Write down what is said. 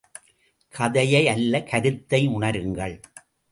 கதையை அல்ல கருத்தை உணருங்கள்.